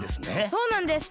そうなんです。